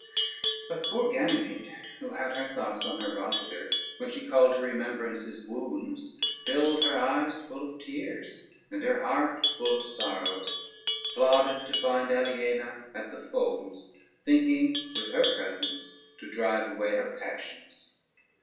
But poor Ganymede, who had her thoughts on her Rosader, when she called to remembrance his wounds, filled her eyes full of tears, and her heart full of sorrows, plodded to find Aliena at the folds, thinking with her presence to drive away her passions.